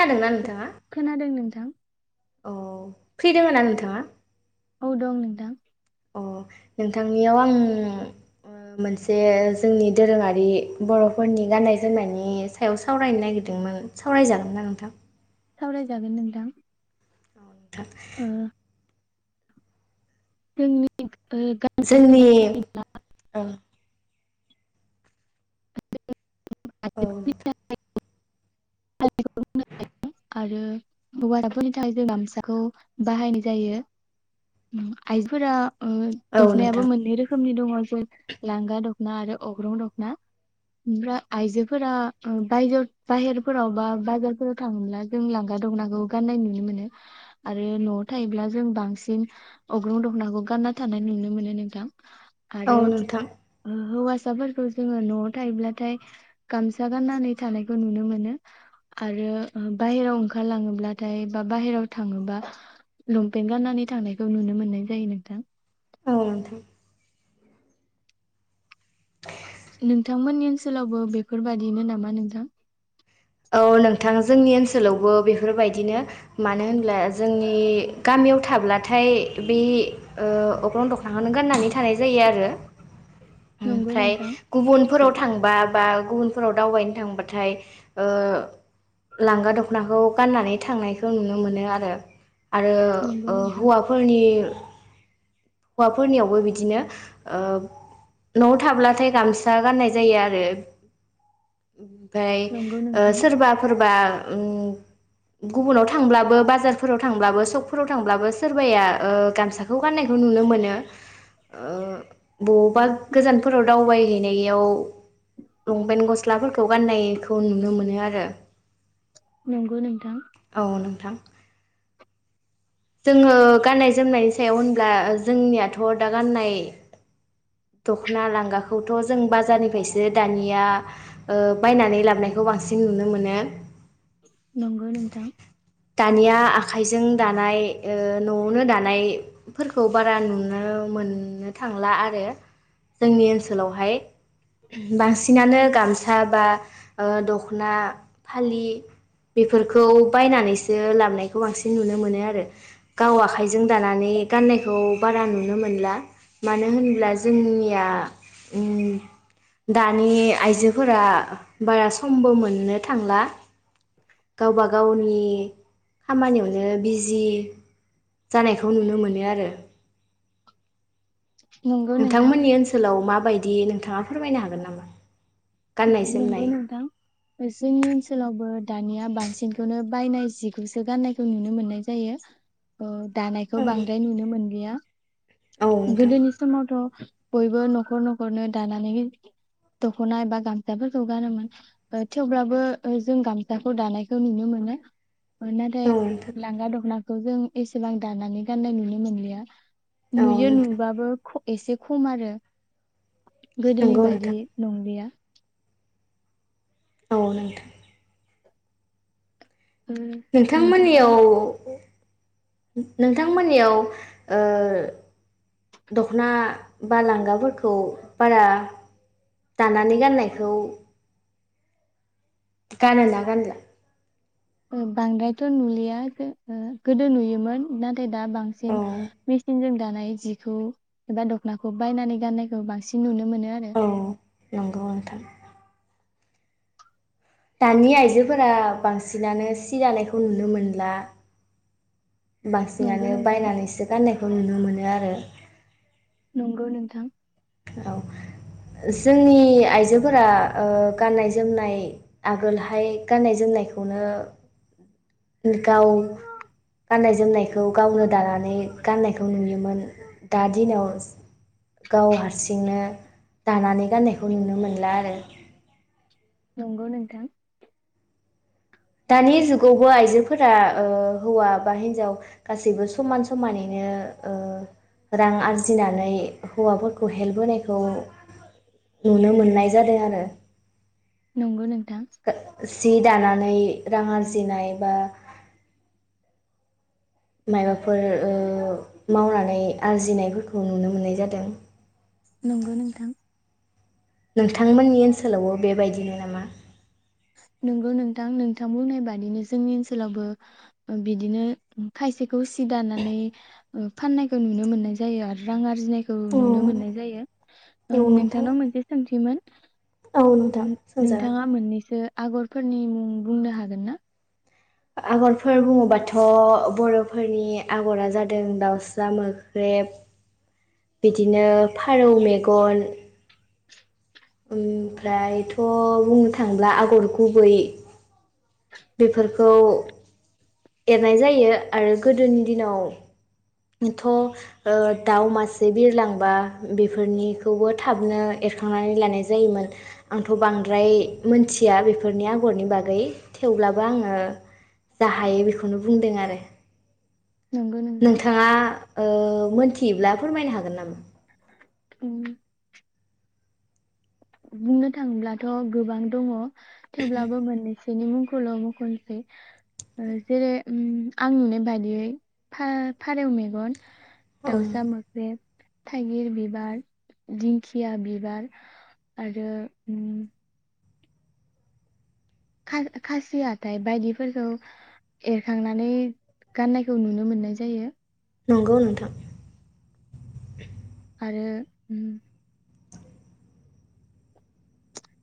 खोनादोंना नोंथाङा खोनादों नों। औ। फैदोंमोनना नोंथाङा। औ दं नोंथां। अ नोंथांनियाव आं ओ मोनसे जोंनि दोरोङारि बर'फोरनि गाननाय जोमनायनि सायाव सावरायनो नागिरदोंमोन सावराय जागोनना नोंथां? सावरायजागोन नोंथां। औ नोंथां ओ [unintelligible] जोंनि गामिनि औ। [unintelligible] औ आइजोफोरनि नोंथां। [unintelligible] आरो हौवाफोरनि थाखाय जों गामसाखौ बाहायनाय जायो उम आइफोरा उम औ नोंथां दखनायाबो मोननै रोख रोखोमनि दङ जे लांगा दखना आरो अग्रं दखना ओमफ्राय आइजोफोरा बायजो बाहेरफोराव बा बाजारफोराव थाङोब्ला जों लांगा दखनाखौ गाननाय नुनो मोनो आरो नआव थायोब्ला जों बांसिन अग्रुं दखनाखौ गानना थानाय नुनो मोनो नोंथां औ आरो नोंथां हौवा साफोरखौ जोङो नआव थायोब्लाथाय गामसा गाननानै थानायखौ नुनो मोनो आरो बाहेराव ओंखारलाङोब्लाथाय बा बाहेराव थाङोबा लंपेन्ट गाननानै थांनाय नुनो मोननाय जायो नोंथां। औ नोंथां नोंथांमोननि ओनसोलावबो बेफोरबादिनो नामा नोंथां? औ नोंथां जोंनि ओनसोलावबो बेफोरबायदिनो मानो होनब्ला जोंनि गामियाव थाब्लाथाय बे ओ अख्रं दखनाखौनो गाननानै थानाय जायो आरो। नंगौ ओमफ्राय नोंथां गुबुनफोराव थांबा बा गुबुनफोराव दावबायनो थांबाथाय ओ लांगा दखनाखौ गाननानै थांनायखौ नुनो मोनो आरो। आरो नंगौ ओ नोंथां हौवाफोरनि हौवाफोरनियावबो बिदिनो ओ न'आव थाब्लाथाय गामसा गाननाय जायो आरो। ओमफ्राय नंगौ नोंथां सोरबाफोरबा उम गुबुनाव थांब्लाबो बाजारफोराव थांब्लाबो सशकफोराव थांब्लाबो सोरबाया ओ गामसाखौ गाननाय नुनो मोनो ओ बबावबा गोजानफोराव दावबाय हैैनायाव लंपेन्ट गस्लाफोरखौ गाननायखौ नुनो मोनो आरो। नंगौ नोंथां। थां जोङो गाननाय जोमनायनि सायाव होनब्ला जोंनियाथ' दा गाननाय दख'ना लांगाखौथ' जों बाजारनिफ्रायसो दानिया ओ बायनानै लाबोनखौ बांसिन नुनो मोनो। नंगौ नोंथां दानिया आखाइजों दानाय ओ न'आवनो दानायफोरखौ बारा नुनो मोननो थांला आरो जोंनि ओनसोलावहाय बांसिनानो गामसा बा ओ दखना फालि बेफोरखौ बायनानैसो बेयो लाबनायखौ बांसिन नुनो मोनो आरो गाव आखाइजों दानानै गाननायखौ बारा नुनो मोनला मानो होनब्ला जोंनिया उम दानि आइजोफोरा बारा समबो मोननो थांला गावबा गावनि खामानियावनो बिजि जानायखौ नुनो मोनो आरो। नंगौ नोंथां नोंथांमोननि ओनसोलाव मा बायदि नोंथाङा फोरमायनो हागोन नामा? गाननाय नंगौ जोमनाय नोंथां जोंनि ओनसोलावबो दानिया बांसिनखौनो बायनाय जिखौसो गाननायखौ नुनो मोननाय जायो। ओ दानायखौ औ बांद्राय नुनो मोनलिया नोंथां गोदोनि समावथ बयबो न'खर न'खरनि दानानानै दख'ना बा गामसाफोरखौ गानोमोन ओ थेवब्लाबो ओ जों गामसाखौ दानायखौ नुनो मोनो। ओ नाथाय औ नोंथां लांगा दखना खौ जों एसेबां दानानै गाननाय नुनो मोनलिया। औ नुयो नोंथां नुबाबो ख एसे खम आरो गोदोनि नंगौ बायदि नोंथां नंलिया। औ नोंथां ओ नोंथाङा नोंथांमोननियाव नोंथांमोननियाव ओ दख'ना बा लांगाफोरखौ बारा दानानै गाननायखौ गानोना गानला? ओ बांद्रायथ' नुलिया जो ओ गोदो नुयोमोन नाथ दा औ बांसिन मिसिन जों दानाय नाय जिखौ एबा दख'नाखौ बायनानै गाननायखौ बांसिन नुनो मोनो। आरो औ नंगौ नोंथां दानि आइजोफोरा बांसिनानो सि दानायखौ नुनो मोनला। नंगौ बांसिनानो नोंथां बायनानैसो गाननायखो खौ नुनो मोनो आरो। नंगौ नोंथां। औ जोंनि आइजोफोरा ओ गाननाय जोमनाय आगोलहाय गाननाय जोमनायखौनो गाव गाननाय जोमनायखौ गावनो दानानै गाननायखौ नुयोमोन दा दिनाव गाव हारसिंनो दानानै गाननायखौ नुनो मोनला आरो। नंगौ नोंथां। दानि जुगावबो आइजोफोरा ओ हौवा बा हिन्जाव गासैबो समान समानैनो रां आरजिनानै हौवाफोरखौ हेल्प होनायखौ नुनो मोननाय जादों आरो। नंगौ नों [unintelligible] जि दानानै रां आरजिनाय बा। मायबाफोर ओ मावनानै आरजिनायफोरखौ नुनो मोननाय जादों। नंगौ नोंथां। नोंथांमोननि ओनसोलावबो बेबायदिनो नामा नोंगौ नोंथां नोंथां बुंनाय बादिनो जोंनि ओनसोलावबो बिदिनो खायसेखौ सि दानानै फाननायखौ नुनो मोननाय जायो आरो रां आर जिनायखौ नुनो मोननाय जायो नोंथांनाव मोनसे सोंथिमोन। औ नोंथां सोंजागोन। नोंथाङा मोननैसो आगरफोरनि मुं बुंनो हागोन ना? आगरफोर बुङोबाथ' बर'फोरनि आगरा जादों दाउसा मोख्रेब। बिदिनो फारौ मेगन। ओमफ्रायथ' बुंनो थांब्ला आगर गुबै बेफोरखौ एरनाय जायो आरो गोदोनि दिनाव। थ' दाउ मासे बिरलांबा बेफोरनिखौबो थाबनो एरखांनानै लानाय जायोमोन आंथ' बांद्राय मोनथिया बेफोरनि आगरनि बागै थेवब्लाबो आङो जा हायो बेखौनो बुंदों आरो। नंगौ नोंथां। आ ओ मोनथियोब्ला फोरमायनो हागोन नामा? उम। बुंनो थाङोब्लाथ' गोबां दङ। थेवब्लाबो मोननि। बिनि मुंखौल' मुख'नोसै जेरै आं नुनाय बादियै फा-फारौ मेगन औ दावसा मोख्रेब। थायगिर बिबार दिंखिया बिबार। आरो ओम। खा-खासि हाथाय बायदिफोरखौ एरखांनानै गाननायखौ नुनो मोननाय जायो। नंगौ नोंथां आरो ओम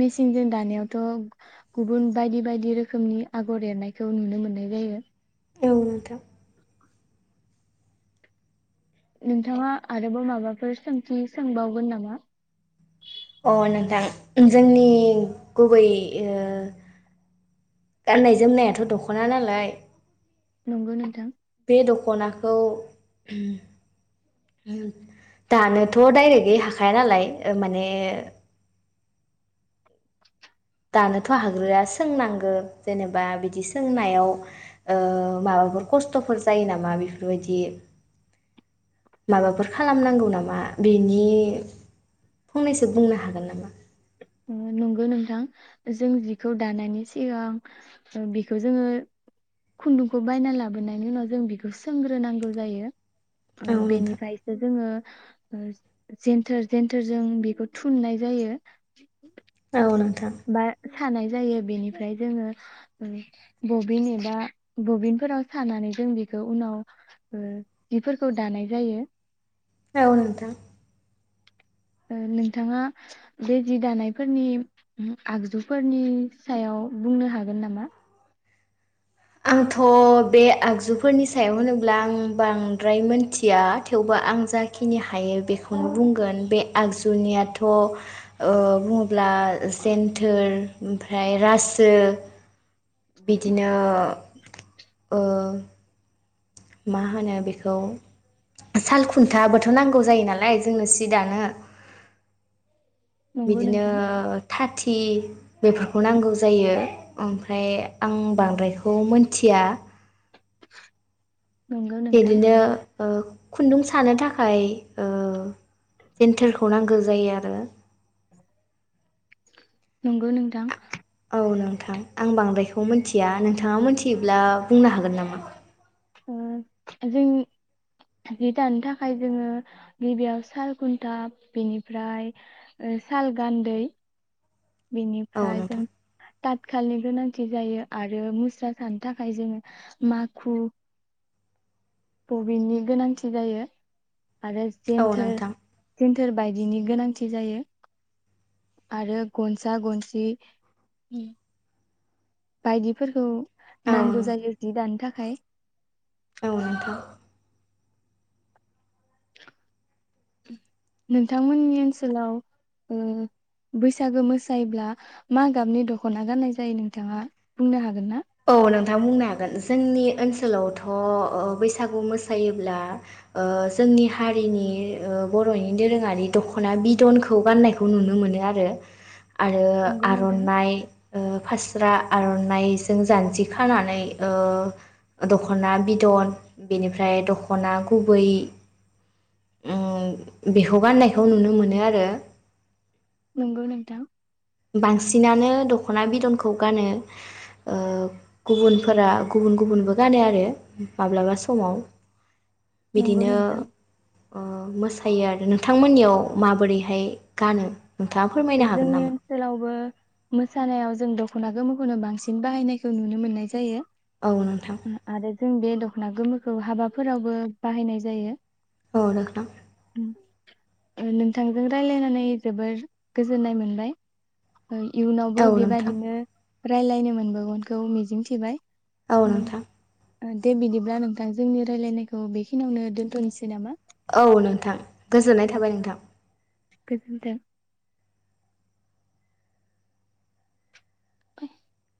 मेचिनजों दानायावथ गुबुन बायदि बायदि रोखोमनि आगर एरनायखौ नुनो मोननाय जायो औ नोंथां। नोंथाङा आरोबाव माबाफोर सोंथि सोंबावगोन नामा? अ नोंथां जोंनि गुबै गाननाय ओ जोमनायाथ' दखना नालाय नंगौ नोंथां बे दखनाखौ दानोथ दायरेखै हाखाया नालाय माने दानोथ' हाग्रोया सोंनांगौ जेनेबा बिदि सोंनायाव माबाफोर ओ खस्थफोर जायो नामा बेफोरबायदि माबाफोर खालामनांगौ नामा बिनि फंनैसो बुंनो हागोन नामा? नंगौ नोंथां जों जिखौ दानायनि सिगां बेखौ जोङो खुन्दुंखौ बायना लाबोनायनि उनाव जों बेखौ सोंग्रोनांगौ जायो। ओ औ नोंथां बेनिफ्रायसो जोङो जेेन्थोर जेन्थोरजों बेखौ थुननाय जायो [unintelligible] बा सानाय जायो बेनिफ्राय जोङो बबिन एबा बबिनफोराव सानानै जों बेखौ उनाव जिफोरखौ दानाय जायो। औ नोंथां। नोंथाङा बे जि दानायफोरनि आगजुफोरनि सायाव बुंनो हागोन नामा? आंथ' बे आगजुफोरनि सायाव होनोब्ला आं बांद्राय मोनथिया थेवबो आं जाखिनि हायो बेखौनो बुंगोन बे आगजुनियाथ ओ बुङोब्ला जेन्थोर ओमफ्राय रासो बिदिनो ओ मा होनो बेखौ साल खुन्थाबोथ नांगौ जायो नालाय। आयै जोंनो सि दानो नंगौ बिदिनो नोंथां थाथि थि बेफोरखौ नांगौ जायो ओमफ्राय आं बांद्रायखौ मोनथिया नंगौ नोंथां बिदिनो ओ खुन्दुं सानो थाखाय ओ जेन्थोरखौ नांगौ जायो आरो। नंगौ नोंथां। औ नोंथां आं बांद्रायखौ मिथिया नोंथाङा मोनथियोब्ला बुंनो हागोन नामा? जों जि दानो थाखाय जोङो गिबियाव साल खुन्था बेनिफ्राय साल गान्दै औ बिनिफ्राय जों नोंथां तात खालि गोनांथि जायो आरो मुस्रा सानो थाखाय जोङो माखु बबिननि गोनांथि जायो। आरो औ जेन्थोर नोंथां सोर बायदिनि गोनांथि जायो आरो गनसा गनसि बायदिफोरखौ। औ नांगौ जायो जि दानो थाखाय। औ नोंथां। नोंथांमोननि ओनसोलाव बैसागो मोसायोब्ला मा गाबनि दखना गाननाय जायो नोंथाङा बुंनो हागोन ना? औ नोंथां बुंनो हागोन जोंनि ओनसोलावथ बैसागु मोसायोब्ला ओ जोंनि हारिनि ओ बरनि दोरोङारि दखना बिदनखौ गाननायखौ नुनो मोनो आरो आरो नंगौ नोंथां आरनाइ। ओ फास्रा आरनाइ। जों जानजि खानानै ओ दख'ना बिदन बेनिफ्राय दख'ना गुबै उम बेखौ गाननायखौ नुनो मोनो आरो। नंगौ नोंथां बांसिनानो दख'ना बिदनखौ गानो ओ गुबुनफोरा गुबुन गुबुनबो गानो आरो माब्लाबा समाव। नंगौ बिदिनो नोंथां। ओ मोसा खायो आरो नोंथांमोननियाव माबोरैहाय गानो? नोंथाङा फोरमायनो हागोन नामा? खौबो मोसानायाव जों दख'ना गोमोखौनो बांसिन बाहायनायखौ नुनो मोननाय जायो। औ नोंथां उम आरो जों बे दख'ना गोमो खौ हाबाफोरावबो बाहायनाय जायो। औ नोंथां। ओ नोंथांजों राय्लायनानै जोबोर गोजोननाय मोनबाय ओ औ इयुनावबो नोंथां बेबायदिनो रायज्लायनो मोनबोवगोनखौ मिजिंथिबाय। औ नोंथां। दे बिदिब्ला नोंथां जोंनि रायलायनायखौ बेखिनियावनो दोन्थ'नोसै नामा? औ नोंथां गोजोननाय थाबाय नोंथां। गोजोन्थों। [unintelligible]